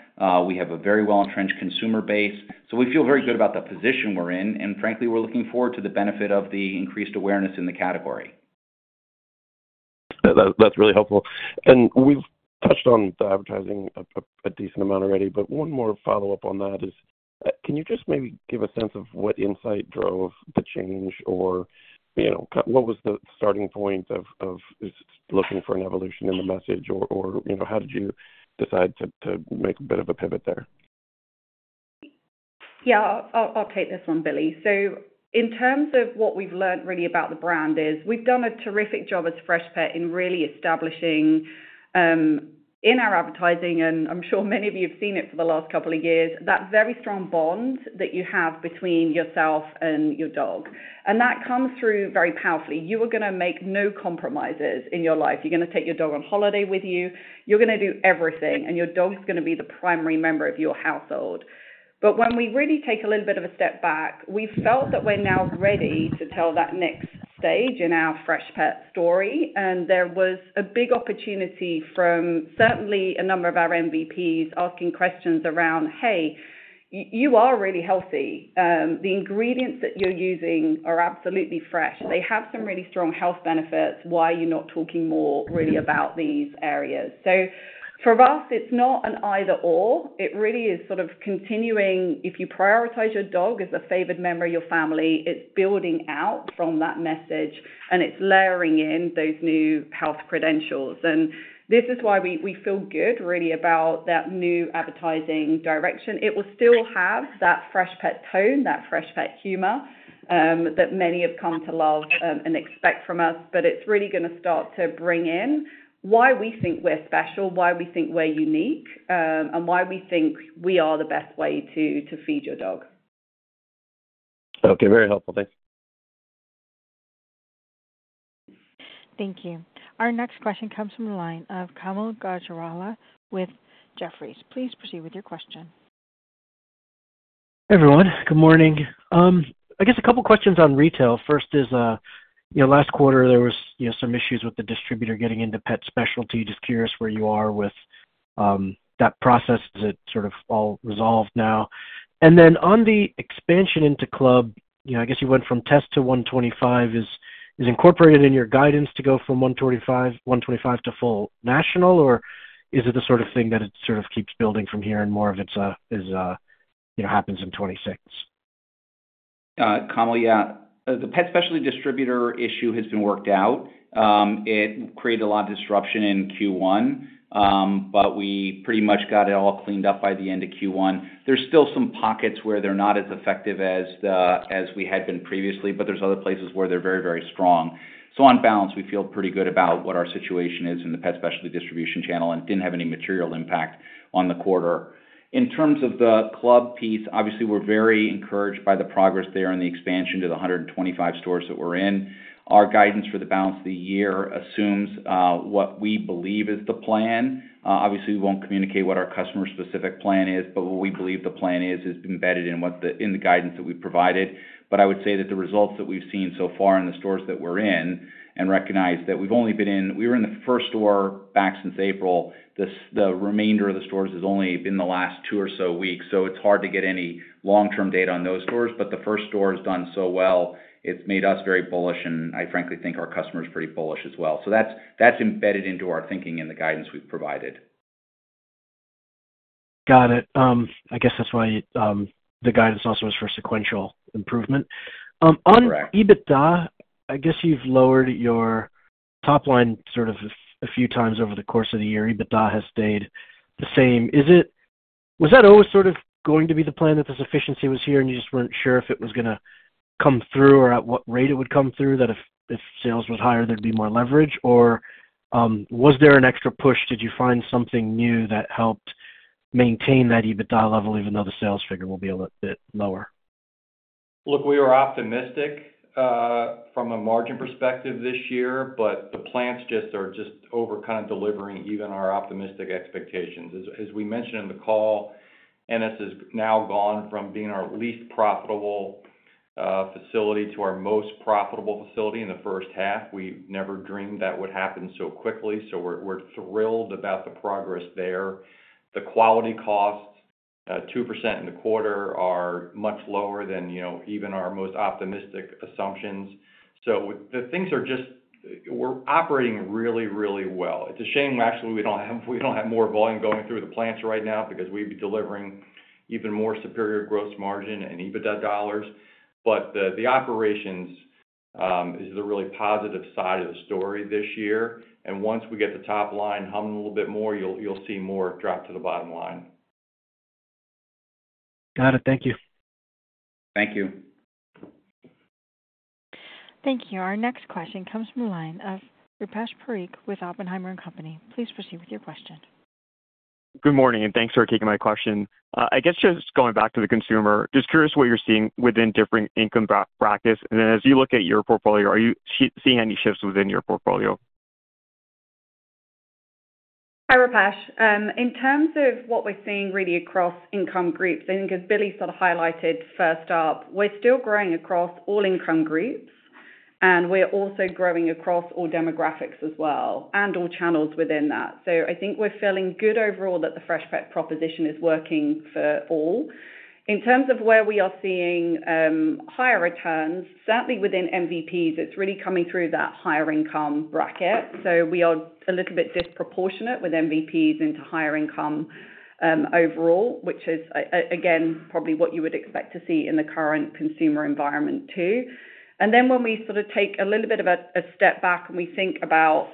We have a very well-entrenched consumer base. We feel very good about the position we're in, and frankly, we're looking forward to the benefit of the increased awareness in the category. That's really helpful. We've touched on the advertising a decent amount already. One more follow up on that. Can you just maybe give a. What insight drove the change, or what was the starting point of looking for an evolution in the message, or how did you decide to make a bit of a pivot there? Yeah, I'll take this one, Billy. In terms of what we've learned really about the brand is we've done a terrific job as Freshpet in really establishing in our advertising. I'm sure many of you have seen it for the last couple of years, that very strong bond that you have between yourself and your dog. That comes through very powerfully. You are going to make no compromises in your life. You're going to take your dog on holiday with you. You're going to do everything, and your dog is going to be the primary member of your household. When we really take a little bit of a step back, we felt that we're now ready to tell that next stage in our Freshpet story. There was a big opportunity from certainly a number of our MVPs asking questions around, hey, you are really healthy. The ingredients that you're using are absolutely fresh. They have some really strong health benefits. Why are you not talking more really about these areas? For us, it's not an either or. It really is sort of continuing. If you prioritize your dog as a favored member of your family, it's building out from that message and it's layering in those new health credentials. This is why we feel good, really about that new advertising direction. It will still have that Freshpet tone, that Freshpet humor that many have come to love and expect from us. It's really going to start to bring in why we think we're special, why we think we're unique, and why we think we are the best way to feed your dog. Okay, very helpful. Thank you. Thank you. Our next question comes from the line of Kaumill Gajrawala with Jefferies. Please proceed with your question. Everyone. Good morning. I guess a couple questions on retail. First is, last quarter there was some issues with the distributor getting into pet specialty. Just curious where you are with that process. Is it all resolved now, and then on the expansion into club, I guess you went from test to 125. Is it incorporated in your guidance to go from 125 to full national, or is it the sort of thing that keeps building from here and more of it? Is, you know, happens in 2026? Kamal, the pet specialty distributor issue has been worked out. It created a lot of disruption in Q1, but we pretty much got it all cleaned up by the end of Q1. There are still some pockets where they're not as effective as we had been previously, but there are other places where they're very, very strong. On balance, we feel pretty good about what our situation is in the pet specialty distribution channel and it didn't have any material impact on the quarter. In terms of the club piece, we're very encouraged by the progress there and the expansion to the 125 stores that we're in. Our guidance for the balance of the year assumes what we believe is the plan. We won't communicate what our customer specific plan is, but what we believe the plan is is embedded in the guidance that we provided. I would say that the results that we've seen so far in the stores that we're in, and recognize that we've only been in the first store back since April, the remainder of the stores has only been the last two or so weeks. It's hard to get any long term data on those stores. The first store has done so well, it's made us very bullish and I frankly think our customer is pretty bullish as well. That's embedded into our thinking and the guidance we've provided. Got it. I guess that's why the guidance also is for sequential improvement on EBITDA. I guess you've lowered your top line sort of a few times over the course of the year. EBITDA has stayed the same. Was that always sort of going to be the plan that this efficiency was here and you just weren't sure if it was going to come through or at what rate it would come through, that if sales was higher there'd be more leverage, or was there an extra push? Did you find something new that helped maintain that EBITDA level even though the sales figure will be a little bit lower? Look, we were optimistic from a margin perspective this year, but the plants are just over kind of delivering. Even our optimistic expectations, as we mentioned in the call, Ennis has now gone from being our least profitable facility to our most profitable facility in the first half. We never dreamed that would happen so quickly. We're thrilled about the progress there. The quality costs 2% in the quarter are much lower than, you know, even our most optimistic assumptions. Things are just, we're operating really, really well. It's a shame actually, we don't have more volume going through the plants right now because we'd be delivering even more superior gross margin and EBITDA dollars. The operations is the really positive side of the story this year. Once we get the top line humming a little bit more, you'll see more drop to the bottom line. Got it. Thank you. Thank you. Thank you. Our next question comes from the line of Rupesh Parikh with Oppenheimer and Company. Please proceed with your question. Good morning and thanks for taking my question. I guess just going back to the consumer, just curious what you're seeing within different income brackets. As you look at your portfolio, are you seeing any shifts within your portfolio? Hi, Rupesh. In terms of what we're seeing really across income groups, I think, as Billy sort of highlighted first up, we're still growing across all income groups, and we're also growing across all demographics as well and all channels within that. I think we're feeling good overall that the Freshpet proposition is working for all. In terms of where we are seeing higher returns, certainly within MVPs, it's really coming through that higher income bracket. We are a little bit disproportionate with MVPs into higher income overall, which is again, probably what you would expect to see in the current consumer environment, too. When we sort of take a little bit of a step back and we think about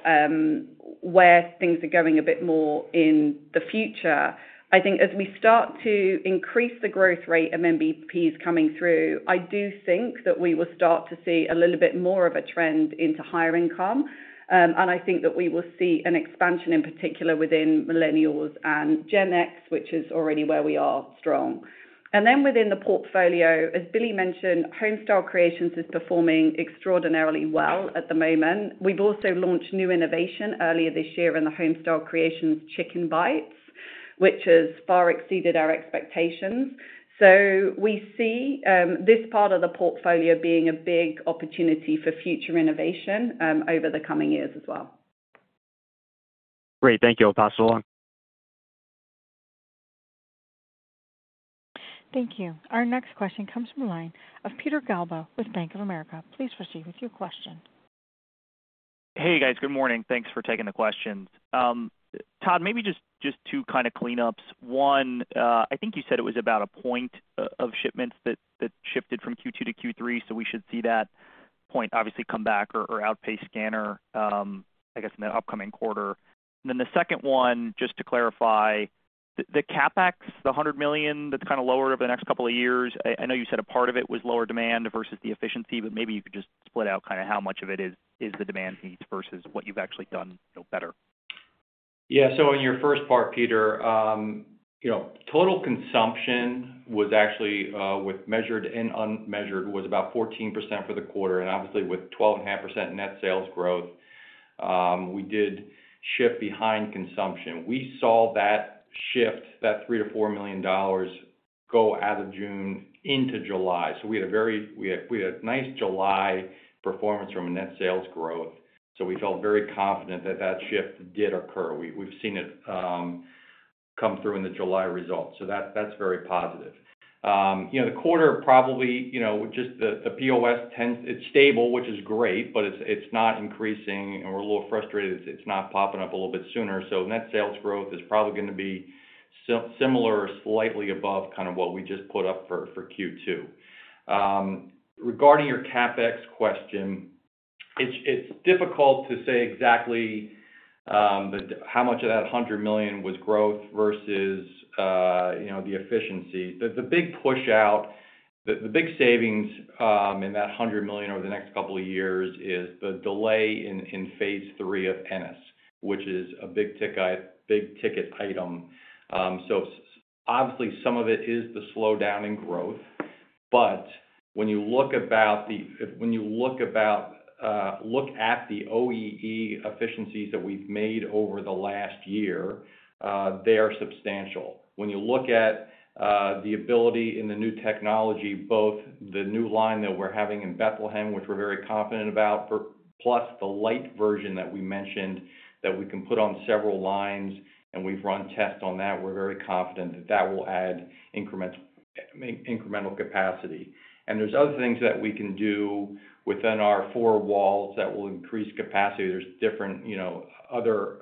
where things are going a bit more in the future, I think as we start to increase the growth rate of MVPs coming through, I do think that we will start to see a little bit more of a trend into higher income. I think that we will see an expansion in particular within Millennials and Gen X, which is already where we are strong. Within the portfolio, as Billy mentioned, Homestyle Creations is performing extraordinarily well at the moment. We've also launched new innovation earlier this year in the Homestyle Creations Chicken Bites, which has far exceeded our expectations. We see this part of the portfolio being a big opportunity for future innovation over the coming years as well. Great, thank you. I'll pass it along. Thank you. Our next question comes from the line of Peter Galbo with Bank of America. Please proceed with your question. Hey, guys, good morning. Thanks for taking the questions, Todd. Maybe just. Just two kind of cleanups. I think you said it was about a point of shipments that. Shifted from Q2 to Q3. We should see that point obviously come back or outpace Scanner, I guess. In the upcoming quarter. To clarify the CapEx, the $100 million, that's kind of lower over the next couple of years. I know you said a part of. It was lower demand versus the efficiency, but maybe you could just split out how much of it is the demand. Needs versus what you've actually done. Better. Yeah. In your first part, Peter, total consumption was actually with measured and unmeasured was about 14% for the quarter. Obviously, with 12.5% net sales growth, we did shift behind consumption. We saw that shift, that $3 million to $4 million go out of June into July. We had nice July performance from net sales growth. We felt very confident that that shift did occur. We've seen it come through in the July results. That's very positive. The quarter, just the POS tends, it's stable, which is great, but it's not increasing and we're a little frustrated it's not popping up a little bit sooner. Net sales growth is probably going to be similar or slightly above kind of what we just put up for Q2. Regarding your CapEx question, it's difficult to say exactly how much of that $100 million was growth versus the efficiency. The big push out, the big savings in that $100 million over the next couple of years is the delay in phase three of Ennis, which is a big ticket item. Some of it is the slowdown in growth. When you look at the OEE efficiencies that we've made over the last year, they are substantial. When you look at the ability in the new technology, both the new line that we're having in Bethlehem, which we're very confident about, plus the light version that we mentioned that we can put on several lines and we've run tests on that, we're very confident that that will add incremental capacity. There are other things that we can do within our four walls that will increase capacity. There are different other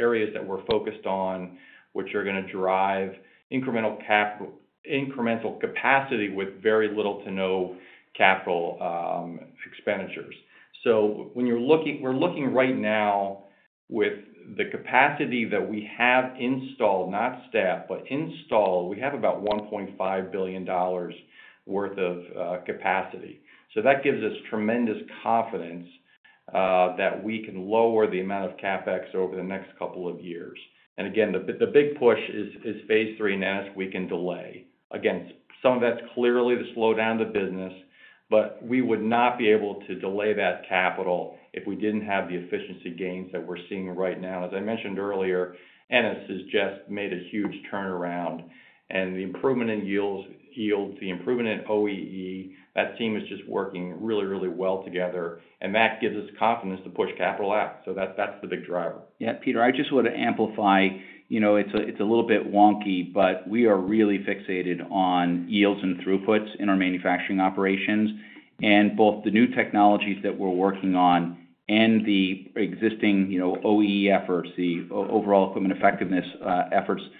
areas that we're focused on which are going to drive incremental capacity with very little to no capital expenditures. We're looking right now with the capacity that we have installed, not staffed, but installed, we have about $1.5 billion worth of capacity. That gives us tremendous confidence that we can lower the amount of CapEx over the next couple of years. The big push is phase three now as we can delay. Some of that's clearly the slowdown of the business, but we would not be able to delay that capital if we didn't have the efficiency gains that we're seeing right now. As I mentioned earlier, Ennis has just made a huge turnaround and the improvement in yield, the improvement in OEE, that team is just working really, really well together and that gives us confidence to push capital out. That's the big driver. Yeah, Peter, I just want to amplify, you know, it's a little bit wonky, but we are really fixated on yields and throughputs in our manufacturing operations. Both the new technologies that we're working on and the existing, you know, OEE efforts, the overall equipment effectiveness efforts, are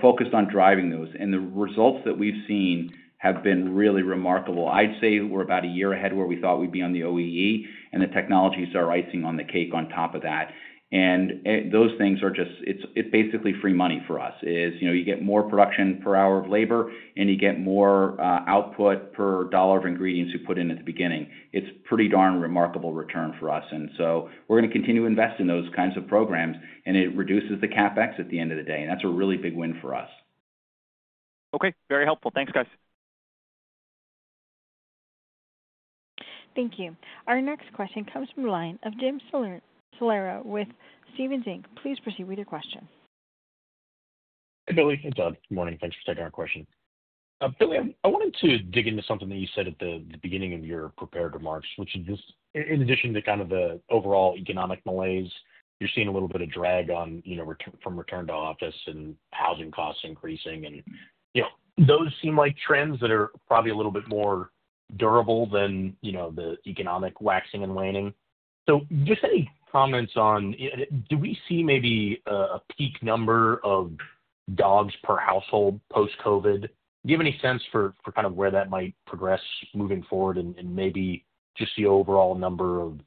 focused on driving those. The results that we've seen have been really remarkable. I'd say we're about a year ahead where we thought we'd be on the OEE, and the technologies are icing on the cake on top of that. Those things are just, it's basically free money for us, as you know, you get more production per hour of labor and you get more output per dollar of ingredients you put in at the beginning. It's pretty darn remarkable return for us. We are going to continue to invest in those kinds of programs, and it reduces the CapEx at the end of the day, and that's a really big win for us. Okay, very helpful. Thanks guys. Thank you. Our next question comes from the line of Jim Salera with Stephens Inc. Please proceed with your questions. Billy. Hey Todd, good morning. Thanks for taking our question. Billy, I wanted to dig into something that you said at the beginning. Your prepared remarks, which is just in. addition to kind of the overall economic malaise, you're seeing a little bit of drag on, you know, from return-to-office mandates. Office and housing costs increasing. Those seem like trends that are probably a little bit more durable than the economic waxing and waning. Do we see maybe a peak number of dogs per household post Covid? Do you have any sense for kind of where that might progress moving forward? Maybe just the overall number of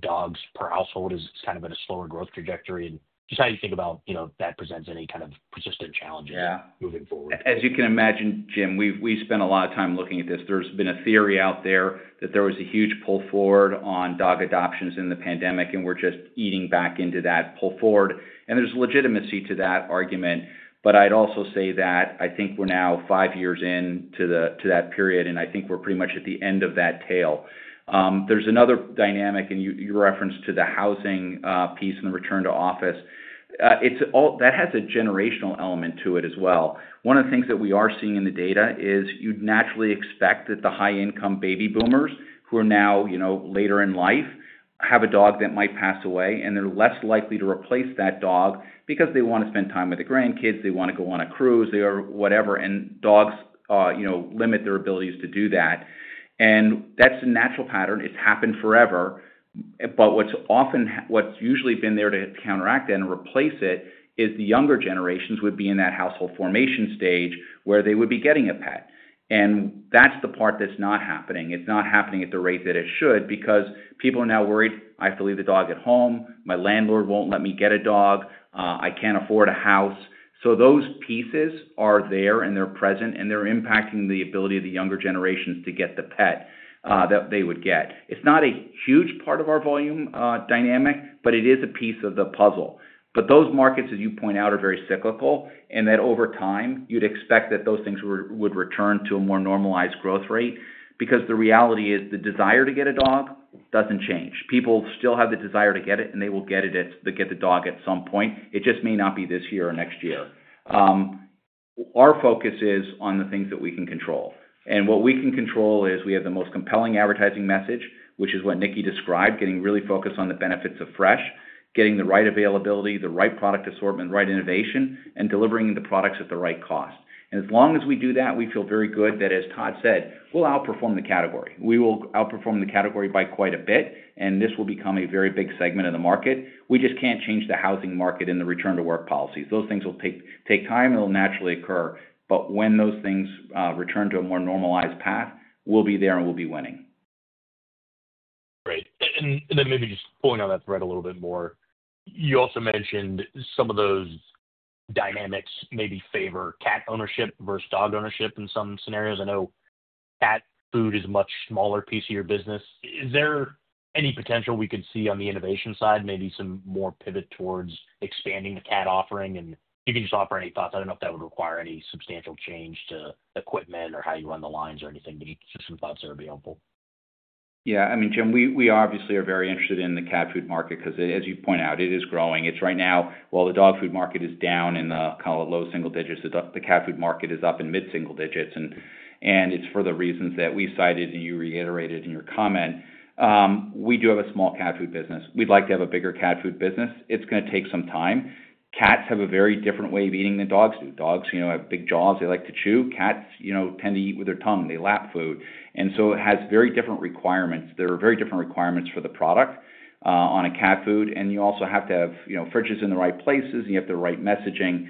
dogs per household is kind of in. A slower growth trajectory and just how you think about that presents any kind. Of persistent challenges moving forward. As you can imagine, Jim, we spent a lot of time looking at this. There's been a theory out there that there was a huge pull forward on dog adoptions in the pandemic, and we're just eating back into that pull forward and there's legitimacy to that argument. I'd also say that I think we're now five years in to that period, and I think we're pretty much at the end of that tail. There's another dynamic, and you reference the housing piece and the return-to-office that has a generational element to it as well. One of the things that we are seeing in the data is you'd naturally expect that the high income baby boomers who are now, you know, later in life have a dog that might pass away and they're less likely to replace that dog because they want to spend time with the grandkids, they want to go on a cruise or whatever. Dogs, you know, limit their abilities to do that, and that's a natural pattern. It's happened forever. What's usually been there to counteract and replace it is the younger generations would be in that household formation stage where they would be getting a pet. That's the part that's not happening. It's not happening at the rate that it should because people are now worried, I have to leave the dog at home, my landlord won't let me get a dog, I can't afford a house. Those pieces are there and they're present and they're impacting the ability of the younger generations to get the pet that they would get. It's not a huge part of ours. Volume dynamic, but it is a piece of the puzzle. Those markets, as you point out, are very cyclical and over time you'd expect that those things would return to a more normalized growth rate. The reality is the desire to. Get a dog doesn't change. People still have the desire to get. It and they will get it. Get the dog at some point. It just may not be this year or next year. Our focus is on the things that we can control. What we can control is we have the most compelling advertising message, which is what Nicki described. Getting really focused on the benefits of fresh, getting the right availability, the right product assortment, right innovation, and delivering the products at the right cost. As long as we do that, we feel very good that, as Todd said, we'll outperform the category. We will outperform the category by quite a bit. This will become a very big segment of the market. We just can't change the housing market and the return-to-office mandates. Those things will take time, it'll naturally occur. When those things return to a more normalized path, we'll be there and we'll be winning. Great. Maybe just pulling on that thread a little bit more. You also mentioned some of those dynamics maybe favor cat ownership versus dog ownership in some scenarios. I know cat food is a much smaller piece of your business. Is there any potential we could see on the innovation side? Maybe some more pivot towards expanding the cat offering and you can just offer any thoughts? I don't know if that would require. Any substantial change to equipment or how you run the lines or anything to eat some food. Yeah, I mean, Jim, we obviously. Are very interested in the cat food market because as you point out, it is growing. Right now while the dog food market is down in the low single digits, the cat food market is up in mid single digits. It is for the reasons that we cited and you reiterated in your comment. We do have a small cat food business. We'd like to have a bigger cat food business. It's going to take some time. Cats have a very different way of. Eating than dogs do. Dogs, you know, have big jaws, they like to chew. Cats, you know, tend to eat with their tongue. They lap food, and so it has very different requirements. There are very different requirements for the product on a cat food. You also have to have fridges in the right places. You have the right messaging.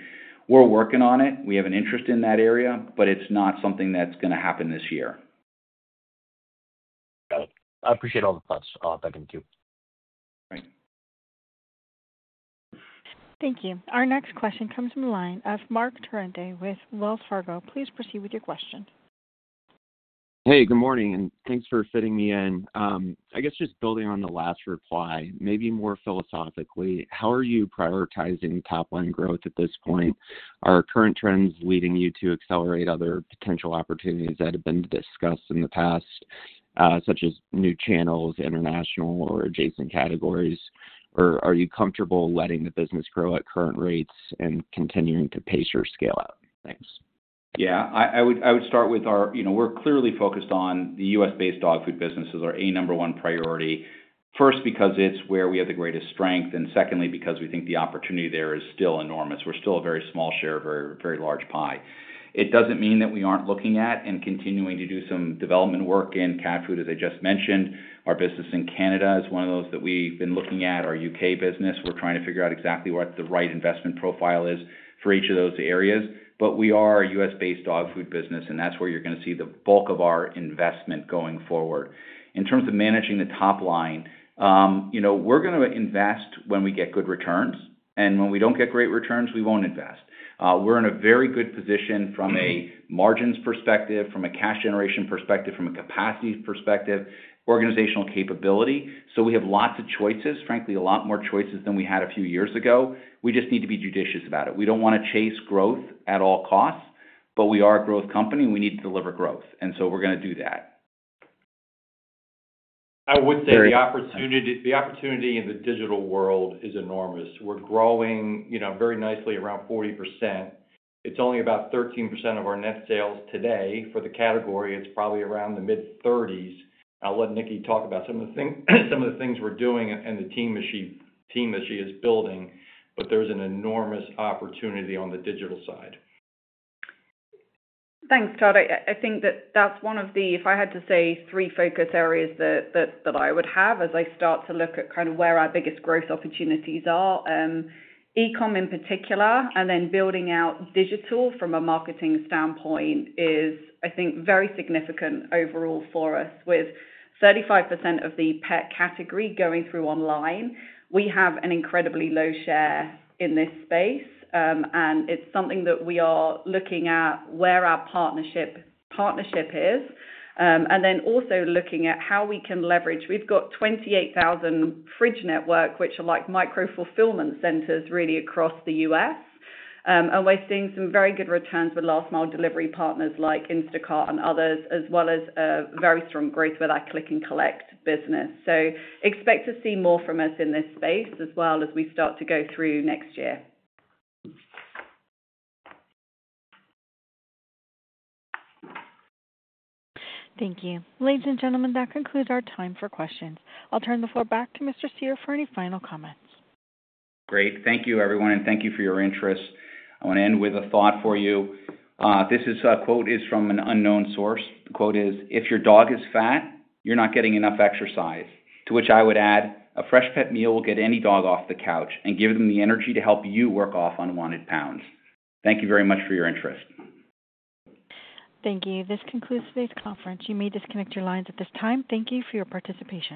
We're working on it. We have an interest in that area, but it's not something that's going to happen this year. I appreciate all the thoughts. I can do. Right. Thank you. Our next question comes from the line of Marc Torrente with Wells Fargo. Please proceed with your question. Hey, good morning, and thanks for fitting me in. I guess just building on the last reply, maybe more philosophically, how are you prioritizing top line growth at this point? Are current trends leading you to accelerate other potential opportunities that have been discussed in the past, such as new channels, international or adjacent categories? Are you comfortable letting the business grow at current rates and continuing to pace your scale out? Thanks. Yeah, I would start with our, you know, we're clearly focused on the U.S. based dog food business as our number one priority. First, because it's where we have the greatest strength, and secondly because we think the opportunity there is still enormous. We're still a very small share, very, very large pie. It doesn't mean that we aren't looking at and continuing to do some development work in cat food. As I just mentioned, our business in Canada is one of those that we've been looking at. Our UK business, we're trying to figure out exactly what the right investment profile is for each of those areas. We are a U.S.-based dog. Food business and that's where you're going to see the bulk of our investment going forward in terms of managing the top line. We're going to invest when we get good returns and when we don't get great returns, we won't invest. We're in a very good position from a margins perspective, from a cash generation perspective, from a capacity perspective, organizational capability. We have lots of choices, frankly. A lot more choices than we had a few years ago. We just need to be judicious about it. We don't want to chase growth at all costs, but we are a growth company. We need to deliver growth, and we're going to do that. I would say the opportunity in the digital world is enormous. We're growing very nicely, around 40%. It's only about 13% of our net sales today. For the category, it's probably around the mid-30%. I'll let Nicki talk about some of the things we're doing and the team machine team that she is building. There's an enormous opportunity on the digital side. Thanks, Todd. I think that that's one of the, if I had to say, three focus areas that I would have as I start to look at kind of where our biggest growth opportunities are. E-com in particular and then building out digital from a marketing standpoint is, I think, very significant overall for us. With 35% of the pet category going through online, we have an incredibly low share in this space. It's something that we are looking at where our partnership is and then also looking at how we can leverage. We've got 28,000 fridge network, which are like micro fulfillment centers really across the U.S., and we're seeing some very good returns with last mile delivery partners like Instacart and others, as well as very strong growth with our click and collect business. Expect to see more from us in this space as we start to go through next year. Thank you, ladies and gentlemen. That concludes our time for questions. I'll turn the floor back to Mr. Cyr for any final comments. Great. Thank you everyone, and thank you for your interest. I want to end with a thought for you. This quote is from an unknown source. The quote is, if your dog is. Fat, you're not getting enough exercise. To which I would add a Freshpet meal will get any dog off the couch and give them the energy to help you work off unwanted pounds. Thank you very much for your interest. Thank you. This concludes today's conference. You may disconnect your lines at this time. Thank you for your participation.